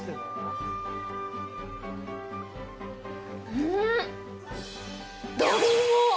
うん！？